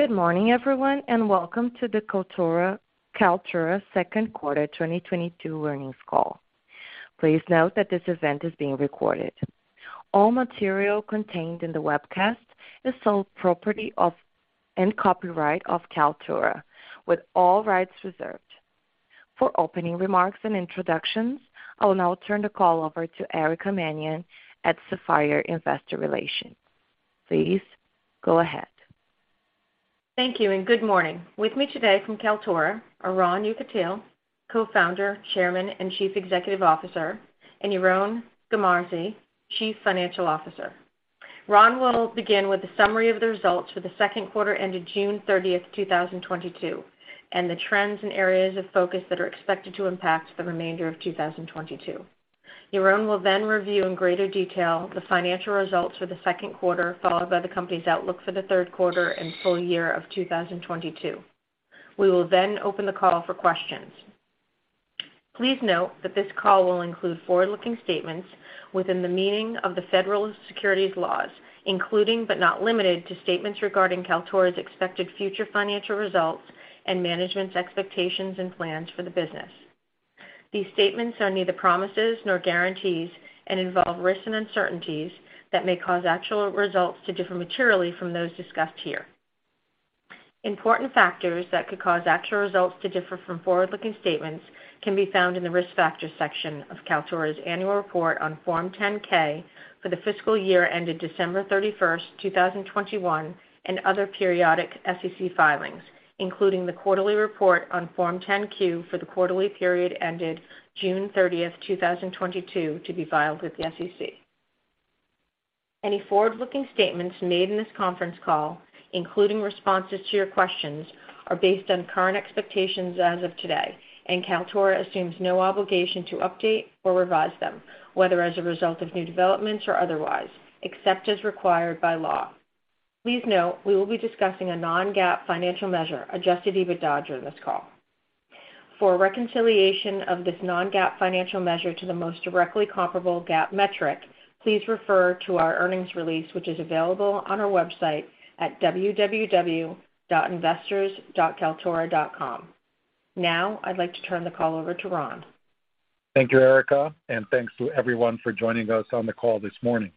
Good morning everyone, and welcome to the Kaltura Second Quarter 2022 Earnings Call. Please note that this event is being recorded. All material contained in the webcast is sole property of and copyright of Kaltura, with all rights reserved. For opening remarks and introductions, I will now turn the call over to Erica Mannion at Sapphire Investor Relations. Please go ahead. Thank you and good morning. With me today from Kaltura are Ron Yekutiel, Co-founder, Chairman, and Chief Executive Officer, and Yaron Garmazi, Chief Financial Officer. Ron will begin with a summary of the results for the second quarter ended June 30, 2022, and the trends and areas of focus that are expected to impact the remainder of 2022. Yaron will then review in greater detail the financial results for the second quarter, followed by the company's outlook for the third quarter and full year of 2022. We will then open the call for questions. Please note that this call will include forward-looking statements within the meaning of the federal securities laws, including, but not limited to, statements regarding Kaltura's expected future financial results and management's expectations and plans for the business. These statements are neither promises nor guarantees and involve risks and uncertainties that may cause actual results to differ materially from those discussed here. Important factors that could cause actual results to differ from forward-looking statements can be found in the Risk Factors section of Kaltura's annual report on Form 10-K for the fiscal year ended December 31, 2021, and other periodic SEC filings, including the quarterly report on Form 10-Q for the quarterly period ended June 30, 2022, to be filed with the SEC. Any forward-looking statements made in this conference call, including responses to your questions, are based on current expectations as of today, and Kaltura assumes no obligation to update or revise them, whether as a result of new developments or otherwise, except as required by law. Please note, we will be discussing a non-GAAP financial measure, adjusted EBITDA, during this call. For a reconciliation of this non-GAAP financial measure to the most directly comparable GAAP metric, please refer to our earnings release, which is available on our website at www.investors.kaltura.com. Now, I'd like to turn the call over to Ron. Thank you, Erica, and thanks to everyone for joining us on the call this morning.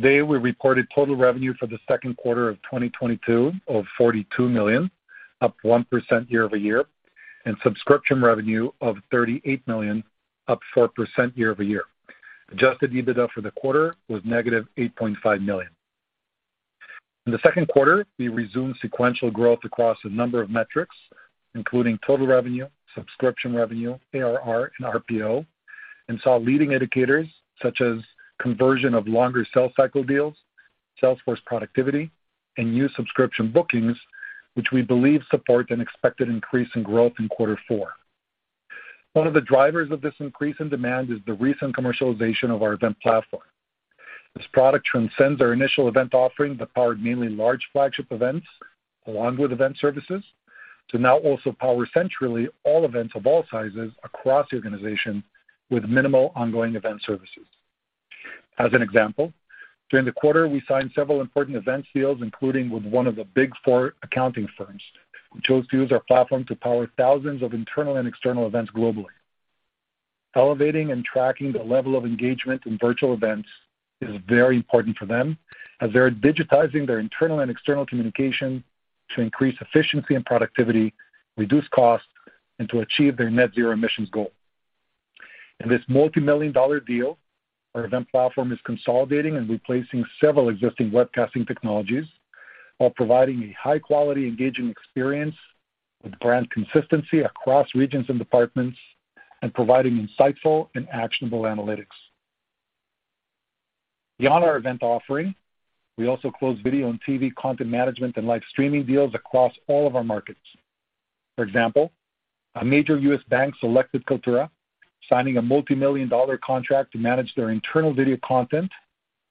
Today, we reported total revenue for the second quarter of 2022 of $42 million, up 1% year-over-year, and subscription revenue of $38 million, up 4% year-over-year. Adjusted EBITDA for the quarter was negative $8.5 million. In the second quarter, we resumed sequential growth across a number of metrics, including total revenue, subscription revenue, ARR and RPO, and saw leading indicators such as conversion of longer sales cycle deals, sales force productivity, and new subscription bookings, which we believe support an expected increase in growth in quarter four. One of the drivers of this increase in demand is the recent commercialization of our event platform. This product transcends our initial event offering that powered mainly large flagship events along with event services to now also power centrally all events of all sizes across the organization with minimal ongoing event services. As an example, during the quarter, we signed several important events deals, including with one of the Big Four accounting firms, who chose to use our platform to power thousands of internal and external events globally. Elevating and tracking the level of engagement in virtual events is very important for them as they're digitizing their internal and external communication to increase efficiency and productivity, reduce costs, and to achieve their net zero emissions goal. In this multimillion-dollar deal, our event platform is consolidating and replacing several existing webcasting technologies while providing a high-quality engaging experience with brand consistency across regions and departments and providing insightful and actionable analytics. Beyond our event offering, we also closed video and TV content management and live streaming deals across all of our markets. For example, a major U.S. bank selected Kaltura, signing a multimillion-dollar contract to manage their internal video content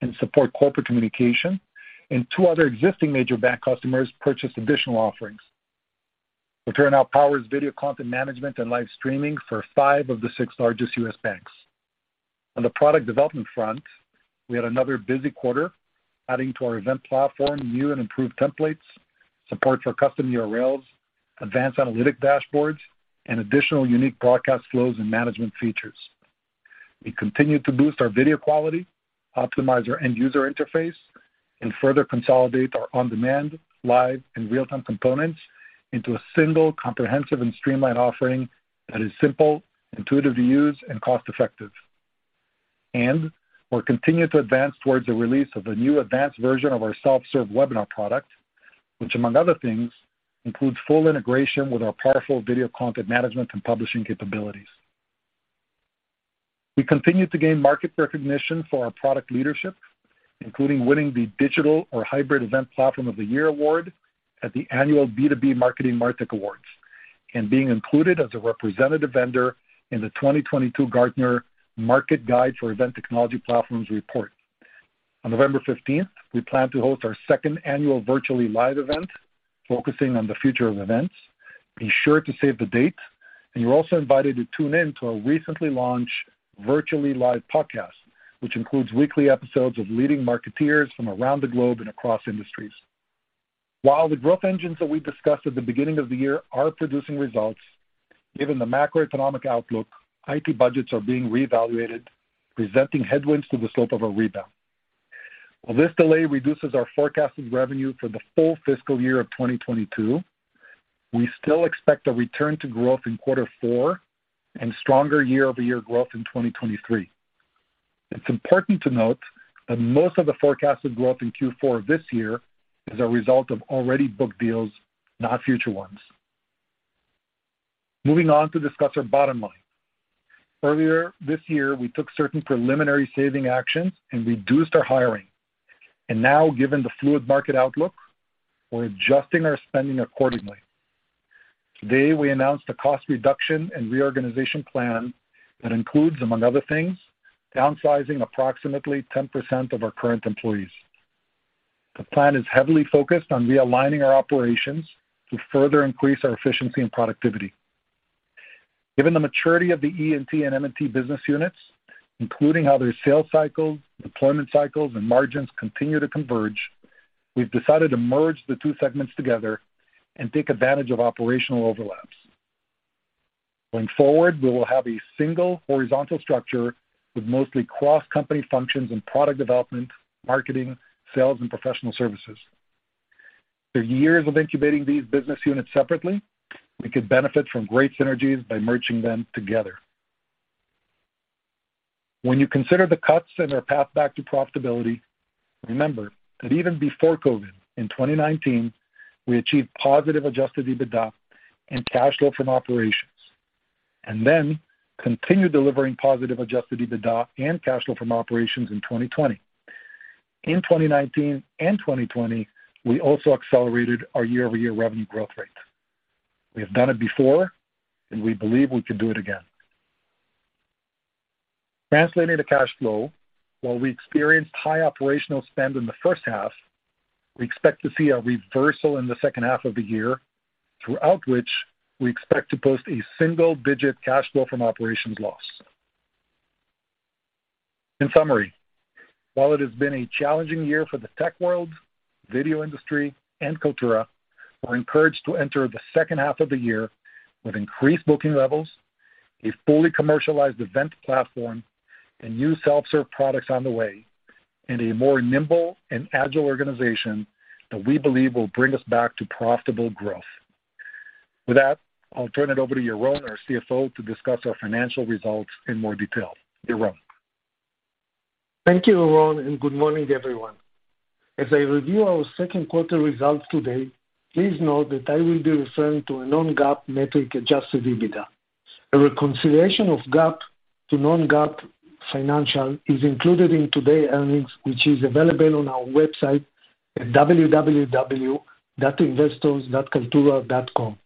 and support corporate communication, and two other existing major bank customers purchased additional offerings. Kaltura now powers video content management and live streaming for five of the six largest U.S. banks. On the product development front, we had another busy quarter, adding to our event platform new and improved templates, support for custom URLs, advanced analytic dashboards, and additional unique broadcast flows and management features. We continued to boost our video quality, optimize our end-user interface, and further consolidate our on-demand, live, and real-time components into a single comprehensive and streamlined offering that is simple, intuitive to use, and cost-effective. We're continuing to advance towards the release of a new advanced version of our self-serve webinar product, which among other things, includes full integration with our powerful video content management and publishing capabilities. We continue to gain market recognition for our product leadership, including winning the digital or hybrid event platform of the year award at the annual B2B Marketing MarTech Awards and being included as a representative vendor in the 2022 Gartner Market Guide for Event Technology Platforms report. On November fifteenth, we plan to host our second annual Virtually Live! event focusing on the future of events. Be sure to save the date, and you're also invited to tune in to our recently launched Virtually Live! The Podcast, which includes weekly episodes of leading marketers from around the globe and across industries. While the growth engines that we discussed at the beginning of the year are producing results, given the macroeconomic outlook, IT budgets are being reevaluated, presenting headwinds to the slope of a rebound. While this delay reduces our forecasted revenue for the full fiscal year of 2022, we still expect a return to growth in quarter four and stronger year-over-year growth in 2023. It's important to note that most of the forecasted growth in Q4 this year is a result of already booked deals, not future ones. Moving on to discuss our bottom line. Earlier this year, we took certain preliminary saving actions and reduced our hiring, and now given the fluid market outlook, we're adjusting our spending accordingly. Today, we announced a cost reduction and reorganization plan that includes, among other things, downsizing approximately 10% of our current employees. The plan is heavily focused on realigning our operations to further increase our efficiency and productivity. Given the maturity of the E&T and M&T business units, including how their sales cycles, deployment cycles, and margins continue to converge, we've decided to merge the two segments together and take advantage of operational overlaps. Going forward, we will have a single horizontal structure with mostly cross-company functions in product development, marketing, sales, and professional services. For years of incubating these business units separately, we could benefit from great synergies by merging them together. When you consider the cuts and our path back to profitability, remember that even before COVID in 2019, we achieved positive adjusted EBITDA and cash flow from operations, and then continued delivering positive adjusted EBITDA and cash flow from operations in 2020. In 2019 and 2020, we also accelerated our year-over-year revenue growth rate. We have done it before, and we believe we can do it again. Translating the cash flow, while we experienced high operational spend in the first half, we expect to see a reversal in the second half of the year, throughout which we expect to post a single-digit cash flow from operations loss. In summary, while it has been a challenging year for the tech world, video industry, and Kaltura, we're encouraged to enter the second half of the year with increased booking levels, a fully commercialized event platform, and new self-serve products on the way, and a more nimble and agile organization that we believe will bring us back to profitable growth. With that, I'll turn it over to Yaron, our CFO, to discuss our financial results in more detail. Yaron. Thank you, Ron, and good morning, everyone. As I review our second quarter results today, please note that I will be referring to a non-GAAP metric adjusted EBITDA. A reconciliation of GAAP to non-GAAP financial is included in today earnings, which is available on our website at www.investors.kaltura.com.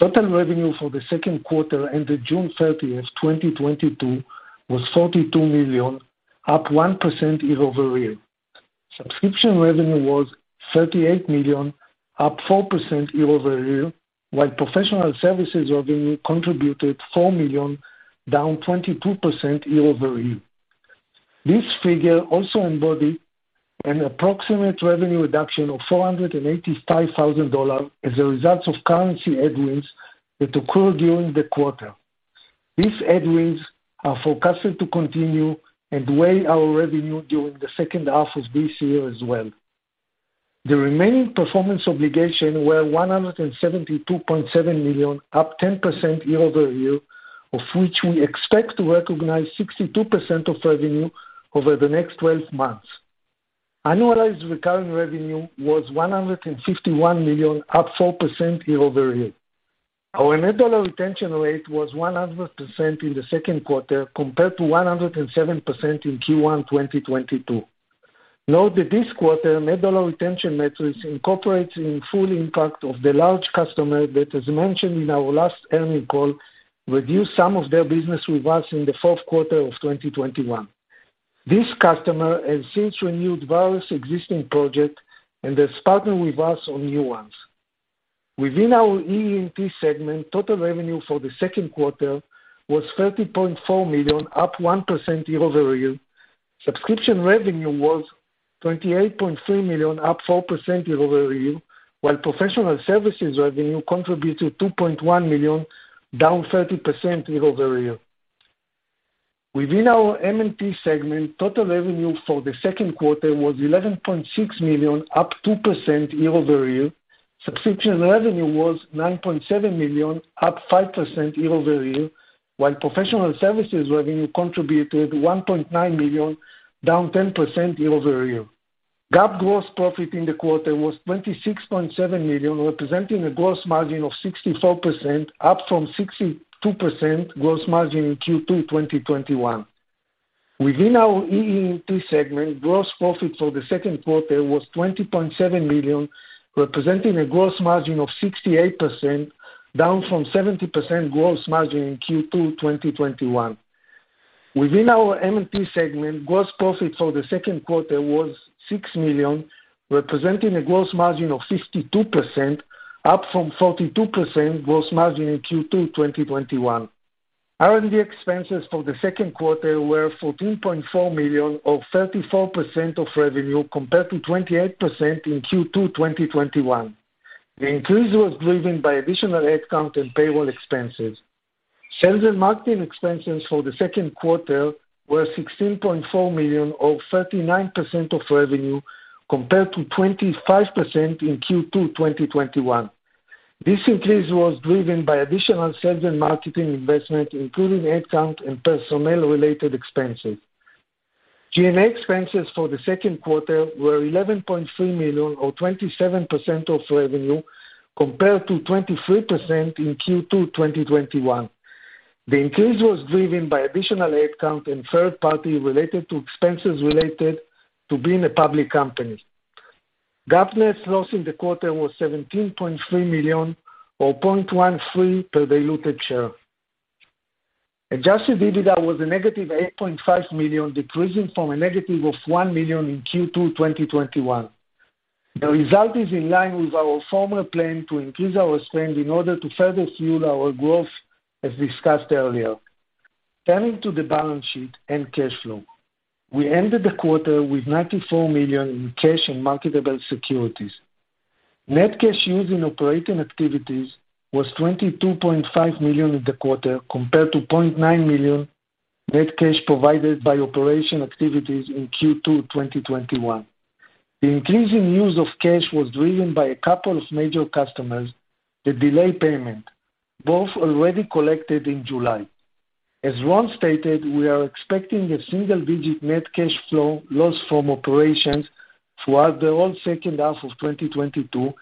Total revenue for the second quarter ended June 30, 2022 was $42 million, up 1% year-over-year. Subscription revenue was $38 million, up 4% year-over-year, while professional services revenue contributed $4 million, down 22% year-over-year. This figure also embodied an approximate revenue reduction of $485,000 as a result of currency headwinds that occurred during the quarter. These headwinds are forecasted to continue and weigh our revenue during the second half of this year as well. The remaining performance obligation were $172.7 million, up 10% year-over-year, of which we expect to recognize 62% of revenue over the next twelve months. Annualized recurring revenue was $151 million, up 4% year-over-year. Our net dollar retention rate was 100% in the second quarter compared to 107% in Q1 2022. Note that this quarter, net dollar retention metrics incorporates in full impact of the large customer that, as mentioned in our last earnings call, reduced some of their business with us in the fourth quarter of 2021. This customer has since renewed various existing projects and has partnered with us on new ones. Within our E&T segment, total revenue for the second quarter was $30.4 million, up 1% year-over-year. Subscription revenue was $28.3 million, up 4% year-over-year, while professional services revenue contributed $2.1 million, down 30% year-over-year. Within our M&T segment, total revenue for the second quarter was $11.6 million, up 2% year-over-year. Subscription revenue was $9.7 million, up 5% year-over-year, while professional services revenue contributed $1.9 million, down 10% year-over-year. GAAP gross profit in the quarter was $26.7 million, representing a gross margin of 64%, up from 62% gross margin in Q2 2021. Within our E&T segment, gross profit for the second quarter was $20.7 million, representing a gross margin of 68%, down from 70% gross margin in Q2 2021. Within our M&T segment, gross profit for the second quarter was $6 million, representing a gross margin of 52%, up from 42% gross margin in Q2 2021. R&D expenses for the second quarter were $14.4 million, or 34% of revenue, compared to 28% in Q2 2021. The increase was driven by additional head count and payroll expenses. Sales and marketing expenses for the second quarter were $16.4 million, or 39% of revenue, compared to 25% in Q2 2021. This increase was driven by additional sales and marketing investment, including head count and personnel-related expenses. G&A expenses for the second quarter were $11.3 million, or 27% of revenue, compared to 23% in Q2 2021. The increase was driven by additional head count and third party related to expenses related to being a public company. GAAP net loss in the quarter was $17.3 million, or 0.13 per diluted share. Adjusted EBITDA was negative $8.5 million, decreasing from negative $1 million in Q2 2021. The result is in line with our former plan to increase our strength in order to further fuel our growth, as discussed earlier. Turning to the balance sheet and cash flow. We ended the quarter with $94 million in cash and marketable securities. Net cash used in operating activities was $22.5 million in the quarter compared to $0.9 million net cash provided by operating activities in Q2 2021. The increasing use of cash was driven by a couple of major customers, the delayed payments, both already collected in July. As Ron stated, we are expecting a single-digit net cash flow loss from operations throughout the whole second half of 2022,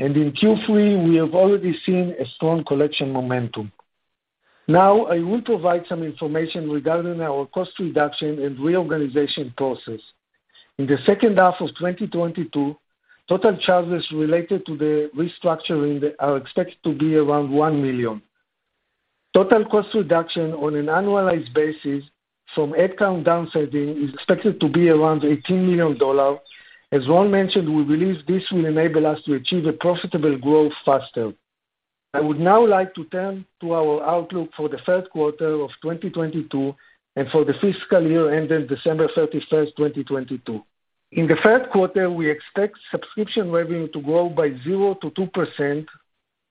and in Q3, we have already seen a strong collection momentum. Now I will provide some information regarding our cost reduction and reorganization process. In the second half of 2022, total charges related to the restructuring are expected to be around $1 million. Total cost reduction on an annualized basis from head count downsizing is expected to be around $18 million. As Ron mentioned, we believe this will enable us to achieve a profitable growth faster. I would now like to turn to our outlook for the third quarter of 2022 and for the fiscal year ending December 31, 2022. In the third quarter, we expect subscription revenue to grow by 0% to 2%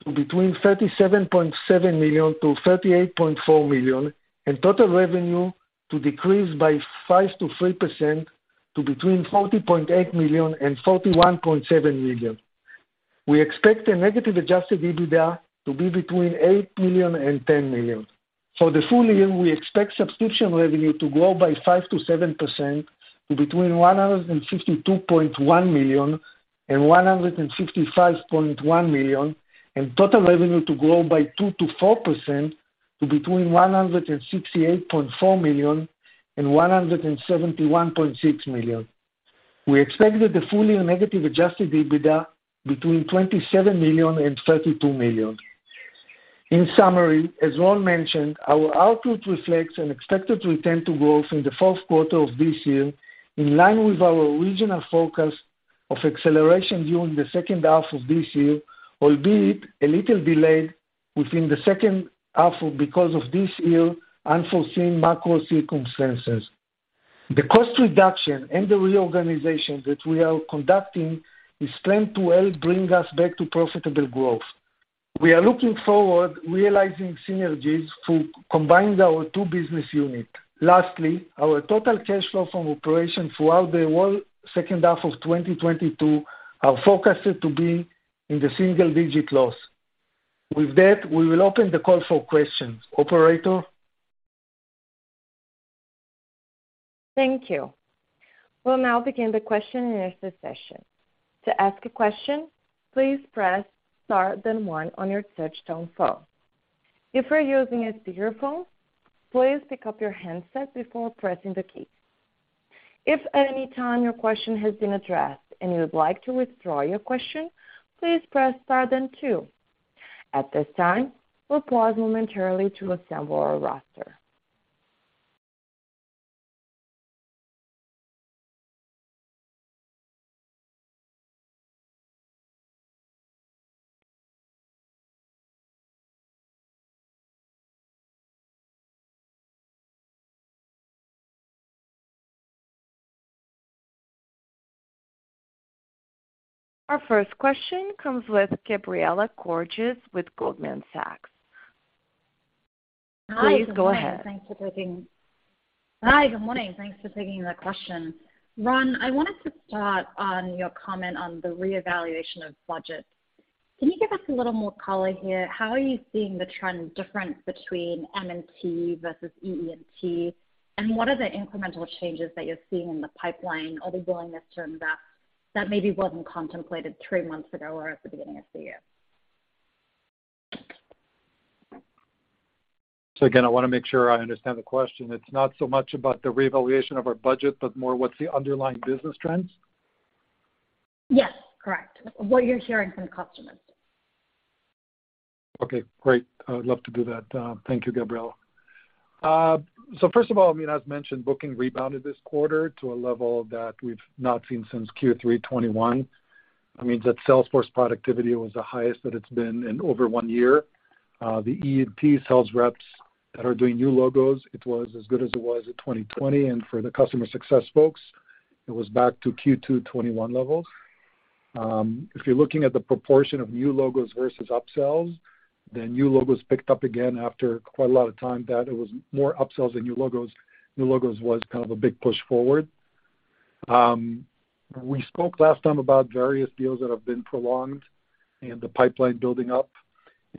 to between $37.7 million to $38.4 million, and total revenue to decrease by 5% to 3% to between $40.8 million and $41.7 million. We expect a negative adjusted EBITDA to be between $8 million and $10 million. For the full year, we expect subscription revenue to grow by 5% to 7% to between $152.1 million and $155.1 million, and total revenue to grow by 2% to 4% to between $168.4 million and $171.6 million. We expected the full-year negative adjusted EBITDA between $27 million and $32 million. In summary, as Ron mentioned, our outlook reflects an expected return to growth in the fourth quarter of this year, in line with our original focus of acceleration during the second half of this year, albeit a little delayed within the second half because of this year's unforeseen macro circumstances. The cost reduction and the reorganization that we are conducting is planned to help bring us back to profitable growth. We are looking forward to realizing synergies to combine our two business units. Lastly, our total cash flow from operations throughout the whole second half of 2022 are forecasted to be in the single-digit loss. With that, we will open the call for questions. Operator? Thank you. We'll now begin the question and answer session. To ask a question, please press star then one on your touch tone phone. If you're using a speakerphone, please pick up your handset before pressing the key. If at any time your question has been addressed and you would like to withdraw your question, please press star then two. At this time, we'll pause momentarily to assemble our roster. Our first question comes with Gabriela Borges with Goldman Sachs. Please go ahead. Good morning. Thanks for taking the question. Ron, I wanted to start on your comment on the reevaluation of budget. Can you give us a little more color here? How are you seeing the trend difference between M&T versus E&T? And what are the incremental changes that you're seeing in the pipeline or the willingness to invest that maybe wasn't contemplated three months ago or at the beginning of the year? Again, I wanna make sure I understand the question. It's not so much about the reevaluation of our budget, but more what's the underlying business trends? Yes, correct. What you're hearing from customers. Okay, great. I would love to do that. Thank you, Gabriela. So first of all, I mean, as mentioned, booking rebounded this quarter to a level that we've not seen since Q3 2021. I mean, that Salesforce productivity was the highest that it's been in over one year. The EMP sales reps that are doing new logos, it was as good as it was at 2020, and for the customer success folks, it was back to Q2 2021 levels. If you're looking at the proportion of new logos versus upsells, the new logos picked up again after quite a lot of time that it was more upsells than new logos. New logos was kind of a big push forward. We spoke last time about various deals that have been prolonged and the pipeline building up.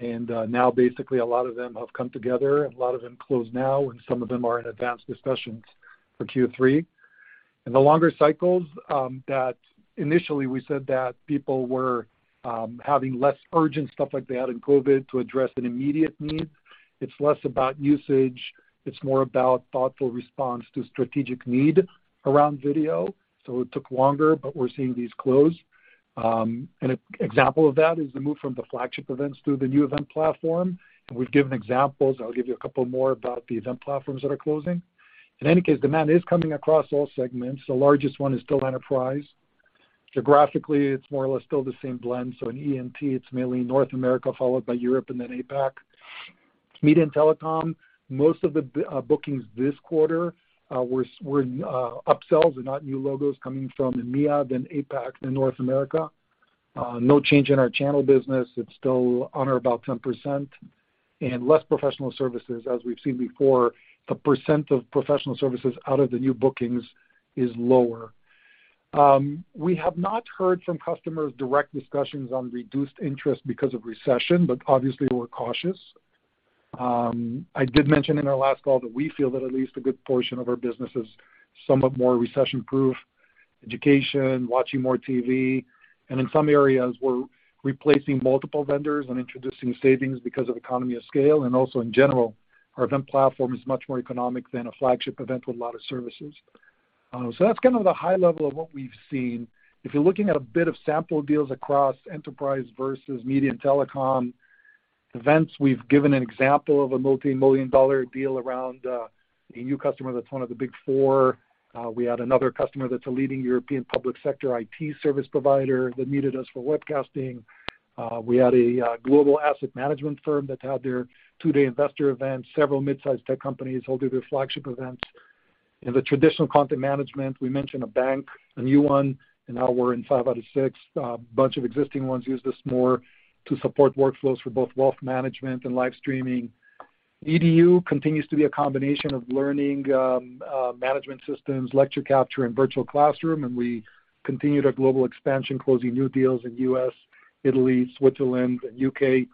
Now basically a lot of them have come together, and a lot of them close now, and some of them are in advanced discussions for Q3. In the longer cycles, that initially we said that people were having less urgent stuff like they had in COVID to address an immediate need. It's less about usage, it's more about thoughtful response to strategic need around video. It took longer, but we're seeing these close. An example of that is the move from the flagship events to the new event platform. We've given examples. I'll give you a couple more about the event platforms that are closing. In any case, demand is coming across all segments. The largest one is still enterprise. Geographically, it's more or less still the same blend. In E&T, it's mainly North America, followed by Europe and then APAC. Media and telecom, most of the bookings this quarter were upsells and not new logos coming from EMEA, then APAC, then North America. No change in our channel business. It's still on or about 10%. Less professional services. As we've seen before, the percent of professional services out of the new bookings is lower. We have not heard from customers direct discussions on reduced interest because of recession, but obviously we're cautious. I did mention in our last call that we feel that at least a good portion of our business is somewhat more recession-proof, education, watching more TV. In some areas, we're replacing multiple vendors and introducing savings because of economies of scale. Also in general, our event platform is much more economical than a flagship event with a lot of services. That's kind of the high level of what we've seen. If you're looking at a bit of sample deals across enterprise versus media and telecom events, we've given an example of a multimillion-dollar deal around a new customer that's one of the Big Four. We had another customer that's a leading European public sector IT service provider that needed us for webcasting. We had a global asset management firm that's had their two-day investor event, several mid-sized tech companies holding their flagship events. In the traditional content management, we mentioned a bank, a new one, and now we're in five out of six. Bunch of existing ones use this more to support workflows for both wealth management and live streaming. EDU continues to be a combination of learning, management systems, lecture capture and virtual classroom, and we continue our global expansion, closing new deals in U.S., Italy, Switzerland, and U.K.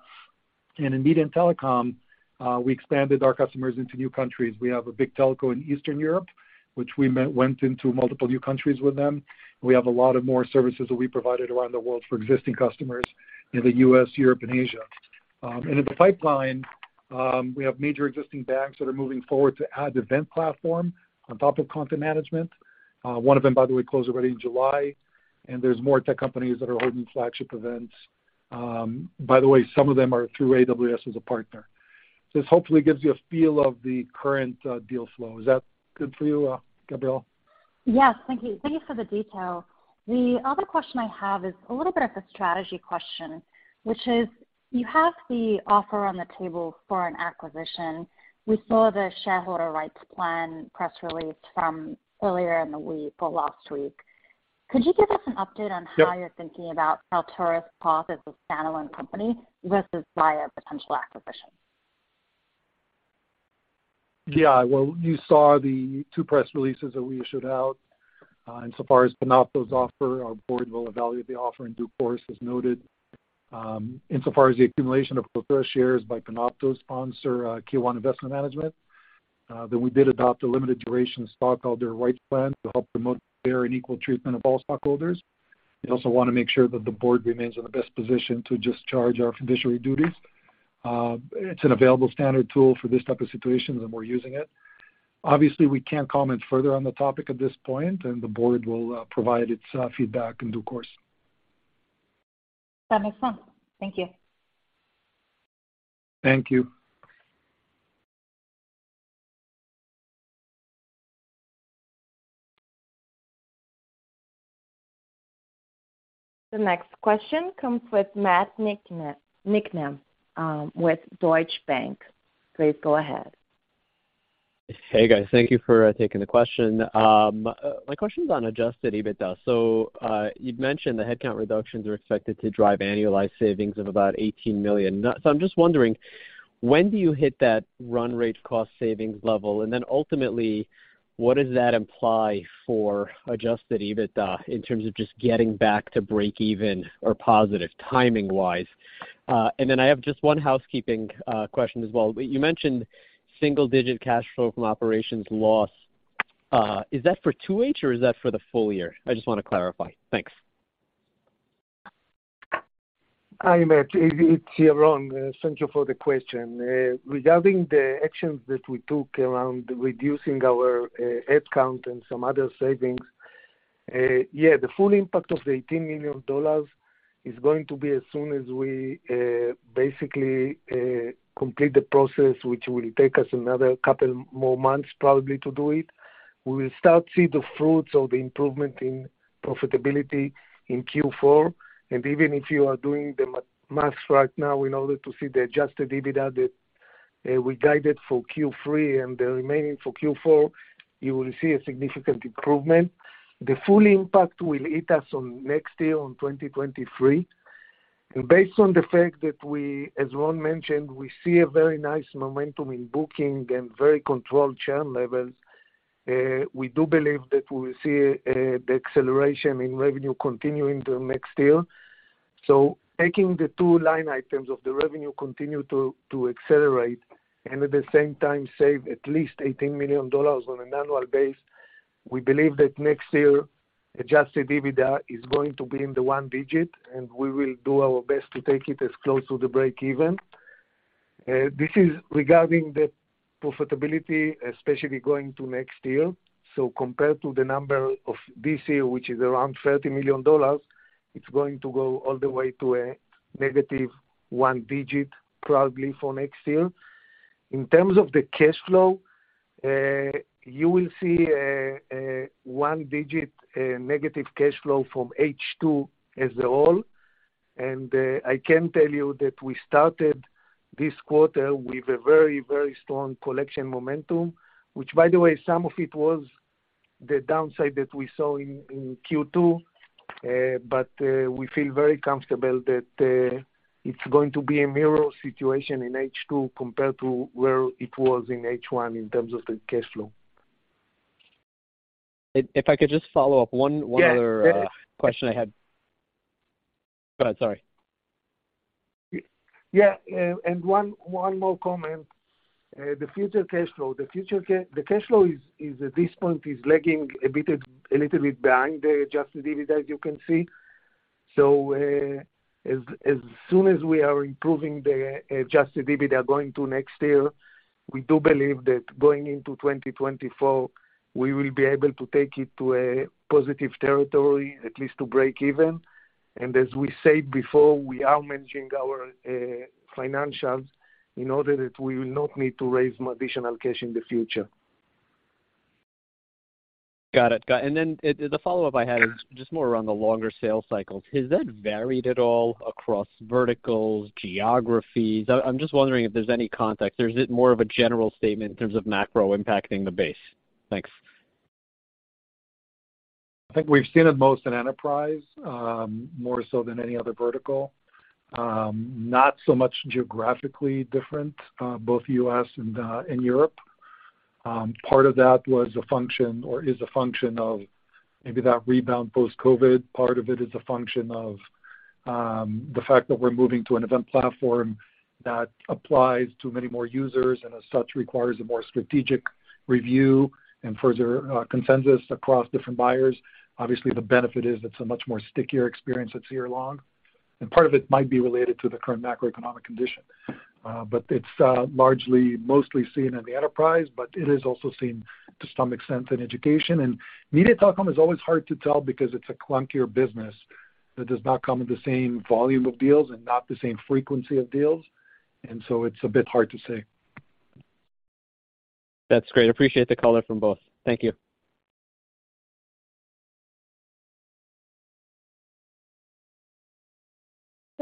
In media and telecom, we expanded our customers into new countries. We have a big telco in Eastern Europe, which we went into multiple new countries with them. We have a lot more services that we provided around the world for existing customers in the U.S., Europe and Asia. In the pipeline, we have major existing banks that are moving forward to add event platform on top of content management. One of them, by the way, closed already in July, and there's more tech companies that are holding flagship events. By the way, some of them are through AWS as a partner. This hopefully gives you a feel of the current deal flow. Is that good for you, Gabriela? Yes. Thank you. Thank you for the detail. The other question I have is a little bit of a strategy question, which is: You have the offer on the table for an acquisition. We saw the shareholder rights plan press release from earlier in the week or last week. Could you give us an update on? Yep. How you're thinking about Kaltura's path as a standalone company versus via potential acquisition? Yeah. Well, you saw the two press releases that we issued out. Insofar as Panopto's offer, our board will evaluate the offer in due course, as noted. Insofar as the accumulation of Kaltura shares by Panopto's sponsor, K1 Investment Management, then we did adopt a limited duration stockholder rights plan to help promote fair and equal treatment of all stockholders. We also wanna make sure that the board remains in the best position to discharge our fiduciary duties. It's an available standard tool for this type of situation, and we're using it. Obviously, we can't comment further on the topic at this point, and the board will provide its feedback in due course. That makes sense. Thank you. Thank you. The next question comes with Matt Niknam, with Deutsche Bank. Please go ahead. Hey, guys. Thank you for taking the question. My question is on adjusted EBITDA. You'd mentioned the headcount reductions are expected to drive annualized savings of about $18 million. I'm just wondering, when do you hit that run rate cost savings level? And then ultimately, what does that imply for adjusted EBITDA in terms of just getting back to breakeven or positive timing-wise? I have just one housekeeping question as well. You mentioned single-digit cash flow from operations loss. Is that for 2H or is that for the full year? I just wanna clarify. Thanks. Hi, Matt Niknam. It's Yaron. Thank you for the question. Regarding the actions that we took around reducing our head count and some other savings. Yeah, the full impact of the $18 million is going to be as soon as we basically complete the process, which will take us another couple more months probably to do it. We will start to see the fruits of the improvement in profitability in Q4. Even if you are doing the math right now in order to see the adjusted EBITDA that we guided for Q3 and the remaining for Q4, you will see a significant improvement. The full impact will hit us on next year on 2023. Based on the fact that we, as Ron mentioned, we see a very nice momentum in booking and very controlled churn levels, we do believe that we will see the acceleration in revenue continuing to next year. Taking the two line items of the revenue continue to accelerate and at the same time save at least $18 million on an annual basis, we believe that next year, adjusted EBITDA is going to be in the one digit, and we will do our best to take it as close to the break-even. This is regarding the profitability, especially going to next year. Compared to the number of this year, which is around $30 million, it's going to go all the way to a negative one digit probably for next year. In terms of the cash flow, you will see a one digit negative cash flow from H2 as a whole. I can tell you that we started this quarter with a very, very strong collection momentum, which by the way, some of it was the downside that we saw in Q2. We feel very comfortable that it's going to be a mirror situation in H2 compared to where it was in H1 in terms of the cash flow. If I could just follow up one. Yeah. One other, question I had. Go ahead, sorry. Yeah. One more comment. The future cash flow is at this point lagging a bit, a little bit behind the adjusted EBITDA as you can see. As soon as we are improving the adjusted EBITDA going to next year, we do believe that going into 2024, we will be able to take it to a positive territory, at least to break even. As we said before, we are managing our financials in order that we will not need to raise additional cash in the future. Got it. The follow-up I had is just more around the longer sales cycles. Has that varied at all across verticals, geographies? I'm just wondering if there's any context. There's more of a general statement in terms of macro impacting the base. Thanks. I think we've seen it most in enterprise, more so than any other vertical. Not so much geographically different, both U.S. and Europe. Part of that was a function or is a function of maybe that rebound post-COVID. Part of it is a function of the fact that we're moving to an event platform that applies to many more users, and as such, requires a more strategic review and further consensus across different buyers. Obviously, the benefit is it's a much more stickier experience that's year long, and part of it might be related to the current macroeconomic condition. It's largely seen in the enterprise, but it is also seen to some extent in education. Media telecom is always hard to tell because it's a clunkier business that does not come with the same volume of deals and not the same frequency of deals, and so it's a bit hard to say. That's great. I appreciate the color from both. Thank you.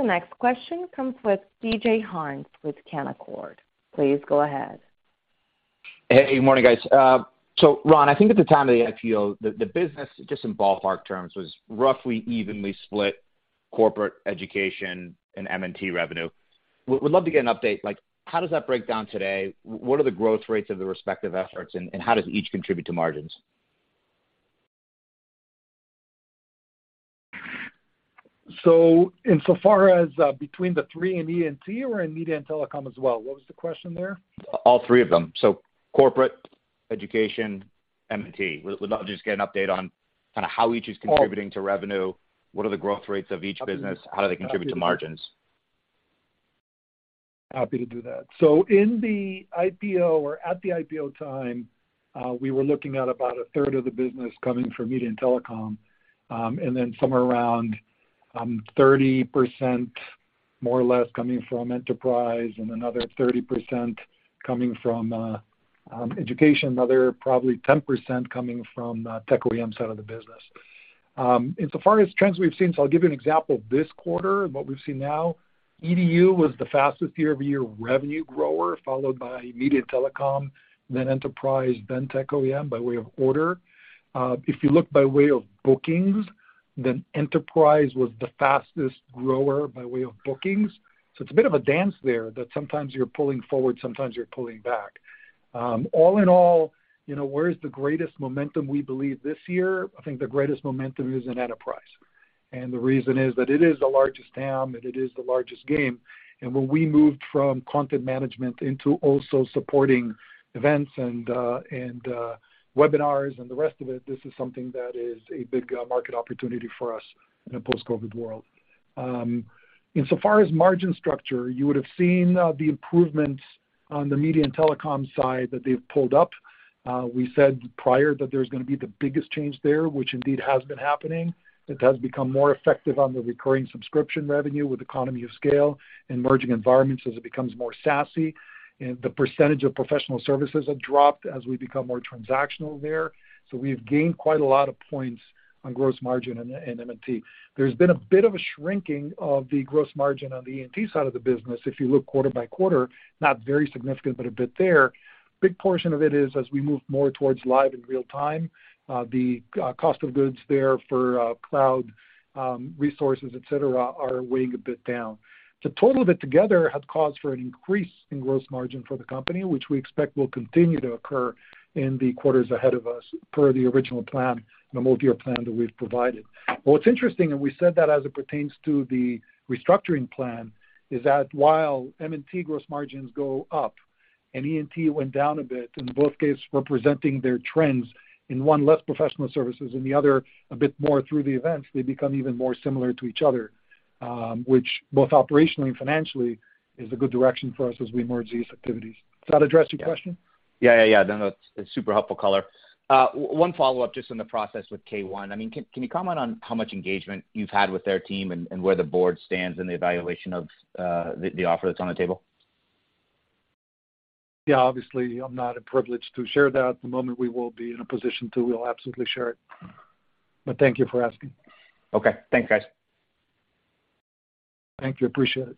The next question comes from DJ Hynes with Canaccord. Please go ahead. Hey, good morning, guys. Ron, I think at the time of the IPO, the business, just in ballpark terms, was roughly evenly split corporate education and M&T revenue. Would love to get an update like how does that break down today, what are the growth rates of the respective efforts, and how does each contribute to margins? Insofar as, between the three in E&T or in media and telecom as well? What was the question there? All three of them. Corporate, education, M&T. Would love just get an update on kinda how each is contributing to revenue, what are the growth rates of each business, how do they contribute to margins? Happy to do that. In the IPO or at the IPO time, we were looking at about a third of the business coming from media and telecom, and then somewhere around 30% more or less coming from enterprise and another 30% coming from education, another probably 10% coming from tech OEM side of the business. Insofar as trends we've seen, I'll give you an example. This quarter, what we've seen now, EDU was the fastest year-over-year revenue grower, followed by media and telecom, then enterprise, then tech OEM by way of order. If you look by way of bookings, then enterprise was the fastest grower by way of bookings. It's a bit of a dance there that sometimes you're pulling forward, sometimes you're pulling back. All in all, you know, where is the greatest momentum we believe this year? I think the greatest momentum is in enterprise. The reason is that it is the largest TAM, and it is the largest gain. When we moved from content management into also supporting events and webinars and the rest of it, this is something that is a big market opportunity for us in a post-COVID world. Insofar as margin structure, you would have seen the improvements on the media and telecom side that they've pulled up. We said prior that there's gonna be the biggest change there, which indeed has been happening. It has become more effective on the recurring subscription revenue with economies of scale and merging environments as it becomes more SaaS-y. The percentage of professional services have dropped as we become more transactional there. We've gained quite a lot of points on gross margin in M&T. There's been a bit of a shrinking of the gross margin on the ENT side of the business. If you look quarter by quarter, not very significant, but a bit there. Big portion of it is as we move more towards live and real-time, the cost of goods there for cloud resources, et cetera, are weighing a bit down. The total of it together had caused for an increase in gross margin for the company, which we expect will continue to occur in the quarters ahead of us per the original plan, the multi-year plan that we've provided. What's interesting, and we said that as it pertains to the restructuring plan, is that while M&T gross margins go up and ENT went down a bit, in both cases, representing their trends, in one less professional services, in the other a bit more through the events, they become even more similar to each other, which both operationally and financially is a good direction for us as we merge these activities. Does that address your question? Yeah. No, it's super helpful color. One follow-up just in the process with K1. I mean, can you comment on how much engagement you've had with their team and where the board stands in the evaluation of the offer that's on the table? Yeah, obviously, I'm not privileged to share that. The moment we will be in a position to, we'll absolutely share it. But thank you for asking. Okay. Thanks, guys. Thank you. Appreciate it.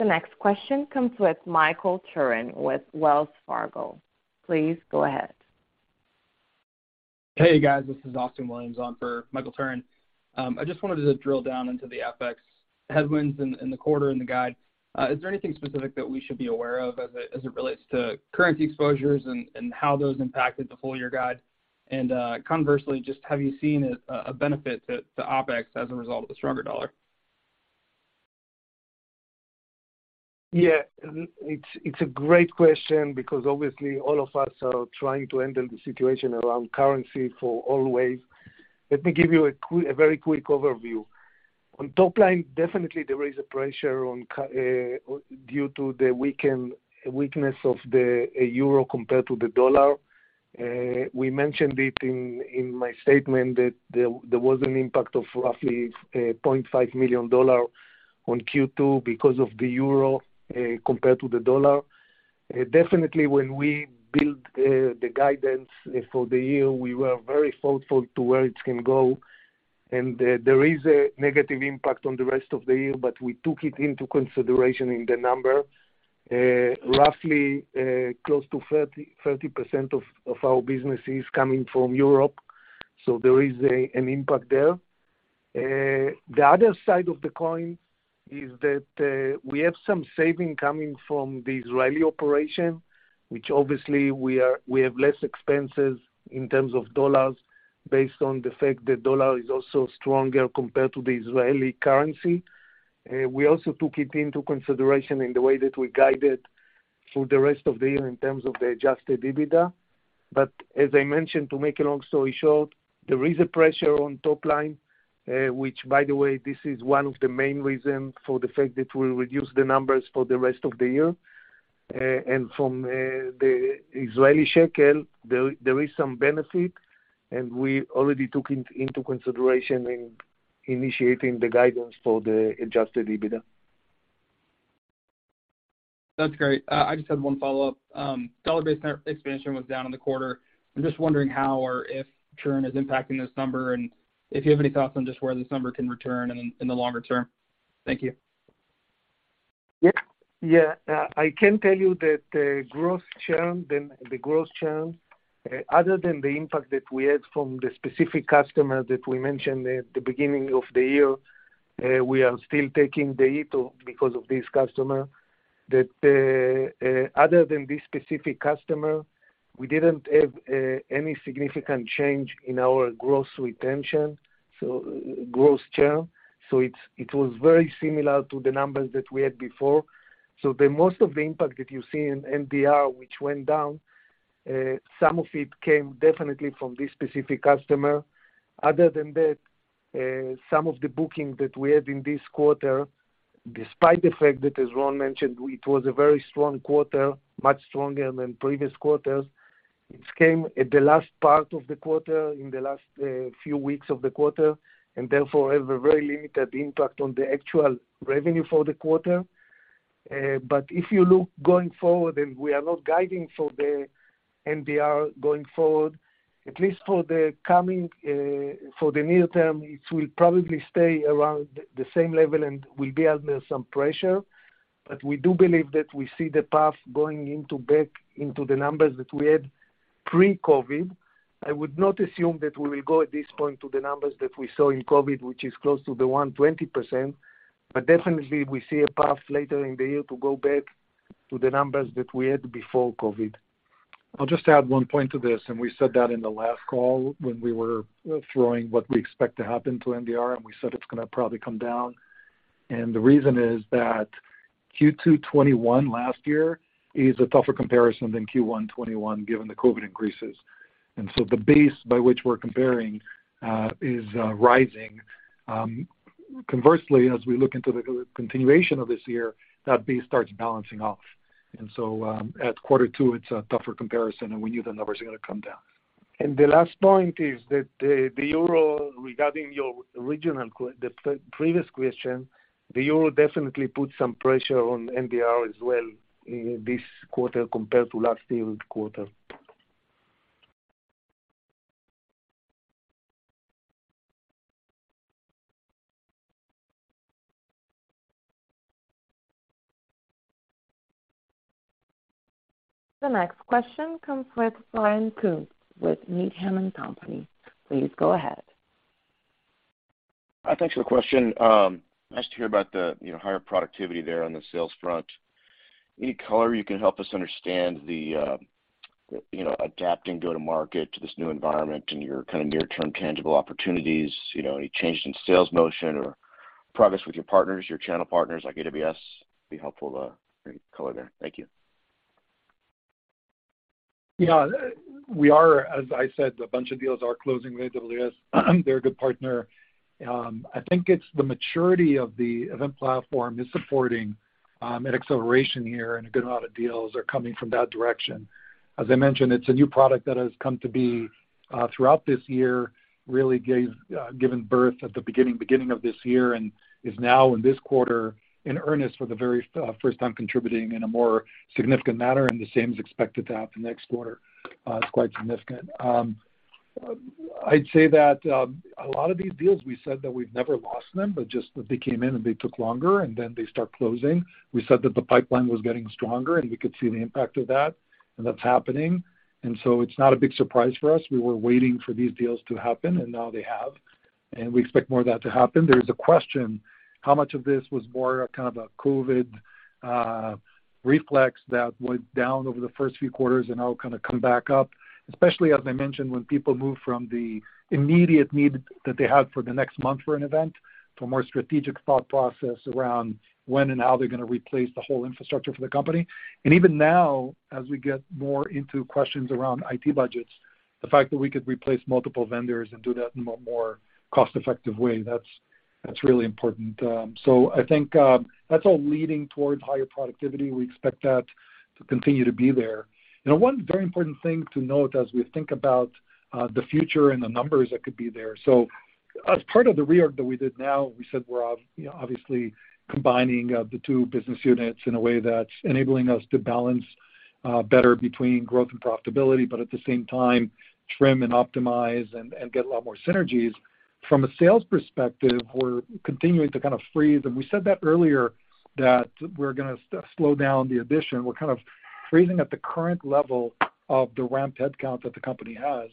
The next question comes from Michael Turrin with Wells Fargo. Please go ahead. Hey, guys. This is Austin Williams on for Michael Turrin. I just wanted to drill down into the FX headwinds in the quarter and the guide. Is there anything specific that we should be aware of as it relates to currency exposures and how those impacted the full year guide? Conversely, just have you seen a benefit to OpEx as a result of the stronger dollar? Yeah, it's a great question because obviously all of us are trying to handle the situation around currency for always. Let me give you a very quick overview. On top line, definitely there is a pressure due to the weakness of the euro compared to the dollar. We mentioned it in my statement that there was an impact of roughly $0.5 million on Q2 because of the euro compared to the dollar. Definitely when we build the guidance for the year, we were very thoughtful to where it can go, and there is a negative impact on the rest of the year, but we took it into consideration in the number. Roughly close to 30% of our business is coming from Europe, so there is an impact there. The other side of the coin is that, we have some savings coming from the Israeli operation, which obviously we have less expenses in terms of dollars based on the fact that dollar is also stronger compared to the Israeli currency. We also took it into consideration in the way that we guided through the rest of the year in terms of the adjusted EBITDA. As I mentioned, to make a long story short, there is a pressure on top line, which by the way, this is one of the main reason for the fact that we'll reduce the numbers for the rest of the year. From the Israeli shekel, there is some benefit, and we already took into consideration in initiating the guidance for the adjusted EBITDA. That's great. I just had one follow-up. Dollar-based expansion was down in the quarter. I'm just wondering how or if churn is impacting this number and if you have any thoughts on just where this number can return in the longer term. Thank you. Yeah. Yeah. I can tell you that growth churn, other than the impact that we had from the specific customer that we mentioned at the beginning of the year, we are still taking the hit because of this customer. Other than this specific customer, we didn't have any significant change in our gross retention, so gross churn. It was very similar to the numbers that we had before. Most of the impact that you see in NDR, which went down, some of it came definitely from this specific customer. Other than that, some of the booking that we had in this quarter, despite the fact that, as Ron mentioned, it was a very strong quarter, much stronger than previous quarters. It came at the last part of the quarter, in the last few weeks of the quarter, and therefore have a very limited impact on the actual revenue for the quarter. But if you look going forward, and we are not guiding for the NDR going forward, at least for the near term, it will probably stay around the same level and will be under some pressure. But we do believe that we see the path going into back into the numbers that we had pre-COVID. I would not assume that we will go at this point to the numbers that we saw in COVID, which is close to the 120%, but definitely we see a path later in the year to go back to the numbers that we had before COVID. I'll just add one point to this, and we said that in the last call when we were throwing what we expect to happen to NDR, and we said it's gonna probably come down. The reason is that Q2 2021 last year is a tougher comparison than Q1 2021 given the COVID increases. The base by which we're comparing is rising. Conversely, as we look into the continuation of this year, that base starts balancing off. At quarter two, it's a tougher comparison, and we knew the numbers are gonna come down. The last point is that the euro, regarding your regional previous question, the euro definitely put some pressure on NDR as well in this quarter compared to last year quarter. The next question comes from Ryan Koontz of Needham & Company. Please go ahead. Thanks for the question. Nice to hear about the, you know, higher productivity there on the sales front. Any color you can help us understand the, you know, adapting go-to-market to this new environment and your kinda near-term tangible opportunities, you know, any changes in sales motion or progress with your partners, your channel partners like AWS would be helpful. Any color there. Thank you. Yeah. We are, as I said, a bunch of deals are closing with AWS. They're a good partner. I think it's the maturity of the event platform is supporting an acceleration here, and a good amount of deals are coming from that direction. As I mentioned, it's a new product that has come to be throughout this year, given birth at the beginning of this year and is now in this quarter in earnest for the very first time contributing in a more significant manner, and the same is expected to happen next quarter. It's quite significant. I'd say that a lot of these deals, we said that we've never lost them, but just that they came in, and they took longer, and then they start closing. We said that the pipeline was getting stronger, and we could see the impact of that, and that's happening. It's not a big surprise for us. We were waiting for these deals to happen, and now they have, and we expect more of that to happen. There's a question, how much of this was more a kind of a COVID reflex that went down over the first few quarters and now kinda come back up, especially as I mentioned, when people move from the immediate need that they have for the next month for an event to a more strategic thought process around when and how they're gonna replace the whole infrastructure for the company. Even now, as we get more into questions around IT budgets, the fact that we could replace multiple vendors and do that in a more cost-effective way, that's really important. I think that's all leading towards higher productivity. We expect that to continue to be there. You know, one very important thing to note as we think about the future and the numbers that could be there. As part of the reorg that we did now, we said we're obviously combining the two business units in a way that's enabling us to balance better between growth and profitability, but at the same time, trim and optimize and get a lot more synergies. From a sales perspective, we're continuing to kind of freeze. We said that earlier, that we're gonna slow down the addition. We're kind of freezing at the current level of the ramped headcount that the company has.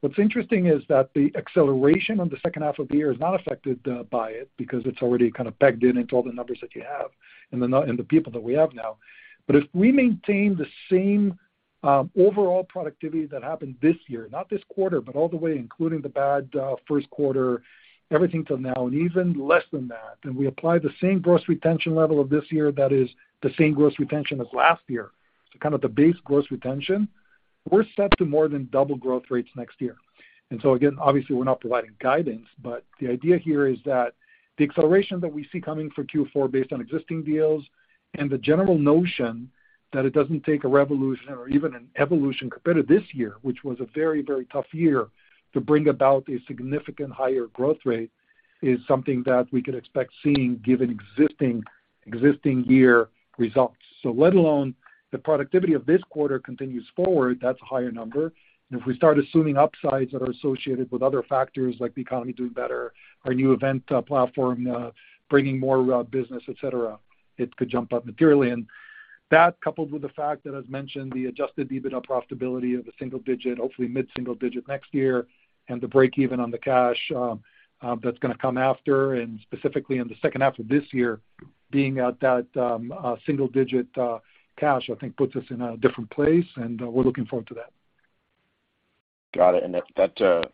What's interesting is that the acceleration on the second half of the year is not affected by it because it's already kind of backed in into all the numbers that you have and the people that we have now. But if we maintain the same overall productivity that happened this year, not this quarter, but all the way, including the bad first quarter, everything till now, and even less than that, then we apply the same gross retention level of this year, that is the same gross retention as last year. Kind of the base gross retention, we're set to more than double growth rates next year. Again, obviously, we're not providing guidance, but the idea here is that the acceleration that we see coming for Q4 based on existing deals and the general notion that it doesn't take a revolution or even an evolution competitive this year, which was a very, very tough year to bring about a significantly higher growth rate, is something that we could expect to see given existing year results. Let alone the productivity of this quarter continues forward, that's a higher number. If we start assuming upsides that are associated with other factors like the economy doing better, our new event platform bringing more business, et cetera, it could jump up materially. That coupled with the fact that as mentioned, the adjusted EBITDA profitability of a single digit, hopefully mid-single digit next year, and the break even on the cash, that's gonna come after, and specifically in the second half of this year being at that, single digit cash, I think puts us in a different place, and, we're looking forward to that. Got it. That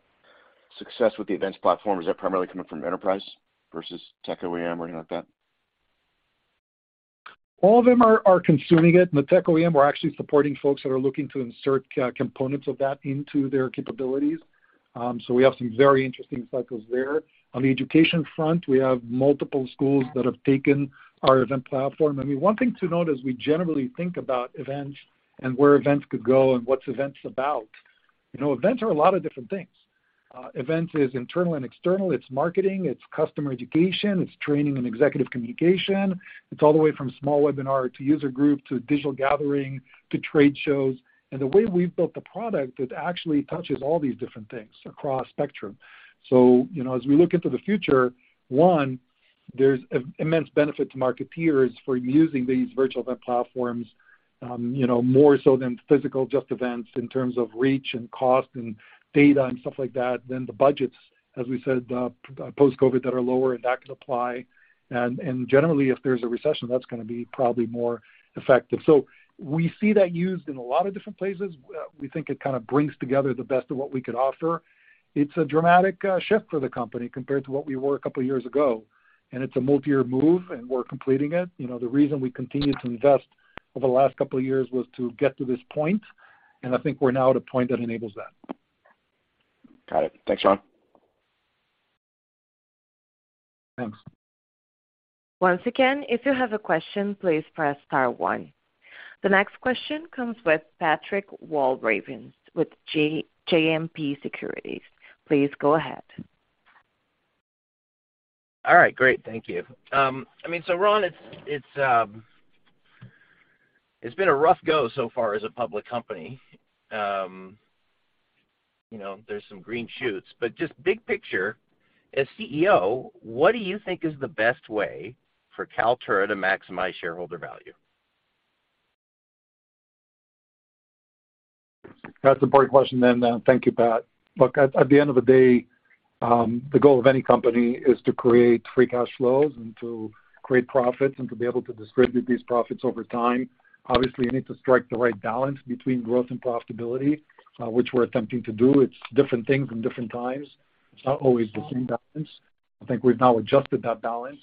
success with the events platform, is that primarily coming from enterprise versus tech OEM or anything like that? All of them are consuming it. In the tech OEM, we're actually supporting folks that are looking to insert key components of that into their capabilities. We have some very interesting cycles there. On the education front, we have multiple schools that have taken our event platform. I mean, one thing to note as we generally think about events and where events could go and what's events about, you know, events are a lot of different things. Events is internal and external, it's marketing, it's customer education, it's training and executive communication. It's all the way from small webinar to user group, to digital gathering, to trade shows. The way we've built the product, it actually touches all these different things across spectrum. You know, as we look into the future, one, there's immense benefit to market peers for using these virtual event platforms, you know, more so than physical just events in terms of reach and cost and data and stuff like that, than the budgets, as we said, post-COVID that are lower, and that can apply. Generally, if there's a recession, that's gonna be probably more effective. We see that used in a lot of different places. We think it kinda brings together the best of what we could offer. It's a dramatic shift for the company compared to what we were a couple of years ago. It's a multi-year move, and we're completing it. You know, the reason we continued to invest over the last couple of years was to get to this point, and I think we're now at a point that enables that. Got it. Thanks, Ron. Thanks. Once again, if you have a question, please press star one. The next question comes from Patrick Walravens with JMP Securities. Please go ahead. All right. Great. Thank you. I mean, Ron, it's been a rough go so far as a public company. You know, there's some green shoots, but just big picture, as CEO, what do you think is the best way for Kaltura to maximize shareholder value? That's an important question then. Thank you, Pat. Look, at the end of the day, the goal of any company is to create free cash flows and to create profits and to be able to distribute these profits over time. Obviously, you need to strike the right balance between growth and profitability, which we're attempting to do. It's different things in different times. It's not always the same balance. I think we've now adjusted that balance,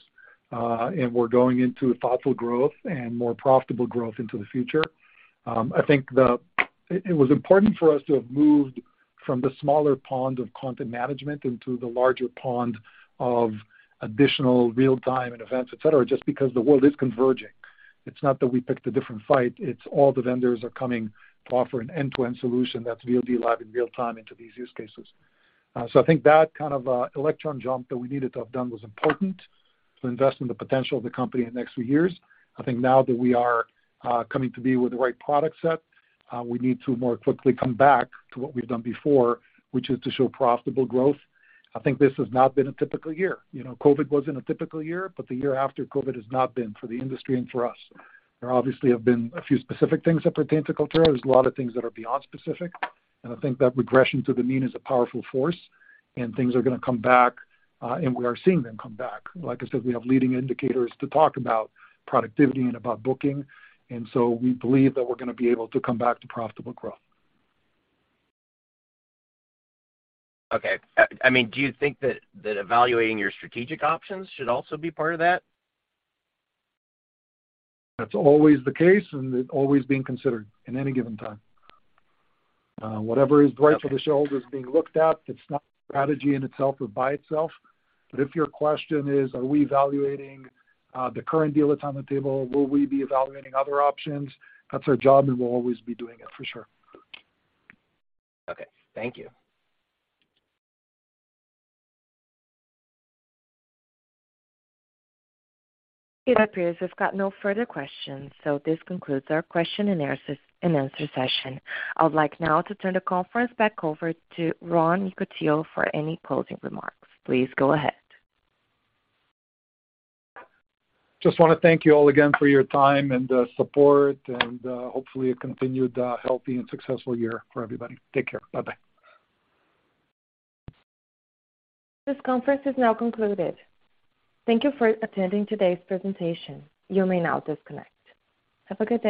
and we're going into thoughtful growth and more profitable growth into the future. I think it was important for us to have moved from the smaller pond of content management into the larger pond of additional real-time and events, et cetera, just because the world is converging. It's not that we picked a different fight. It's all the vendors are coming to offer an end-to-end solution that's VOD live in real time into these use cases. I think that kind of electron jump that we needed to have done was important to invest in the potential of the company in the next few years. I think now that we are coming to be with the right product set, we need to more quickly come back to what we've done before, which is to show profitable growth. I think this has not been a typical year. You know, COVID wasn't a typical year, but the year after COVID has not been for the industry and for us. There obviously have been a few specific things that pertain to Kaltura. There's a lot of things that are beyond specific, and I think that regression to the mean is a powerful force, and things are gonna come back, and we are seeing them come back. Like I said, we have leading indicators to talk about productivity and about booking, and so we believe that we're gonna be able to come back to profitable growth. Okay. I mean, do you think that evaluating your strategic options should also be part of that? That's always the case, and it's always being considered in any given time. Whatever is right for the shareholders is being looked at. It's not strategy in itself or by itself. If your question is, are we evaluating the current deal that's on the table? Will we be evaluating other options? That's our job, and we'll always be doing it for sure. Okay. Thank you. It appears we've got no further questions, so this concludes our question-and-answers session. I would like now to turn the conference back over to Ron Yekutiel for any closing remarks. Please go ahead. Just wanna thank you all again for your time and, support and, hopefully a continued, healthy and successful year for everybody. Take care. Bye-bye. This conference is now concluded. Thank you for attending today's presentation. You may now disconnect. Have a good day.